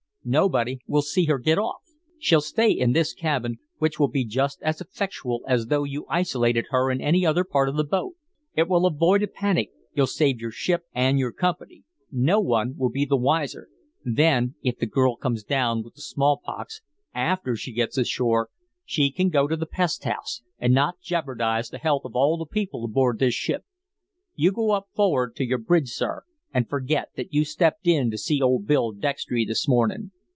Nobody will see her get off. She'll stay in this cabin, which will be just as effectual as though you isolated her in any other part of the boat. It will avoid a panic you'll save your ship and your company no one will be the wiser then if the girl comes down with small pox after she gets ashore, she can go to the pest house and not jeopardize the health of all the people aboard this ship. You go up forrad to your bridge, sir, and forget that you stepped in to see old Bill Dextry this morning.